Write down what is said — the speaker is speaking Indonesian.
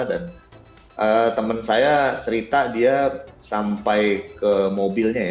dan temen saya cerita dia sampai ke mobilnya ya